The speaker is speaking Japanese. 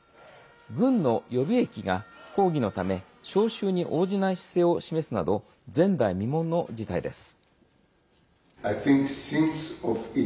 軍の予備役が抗議のため招集に応じない姿勢を示すなど前代未聞の事態です。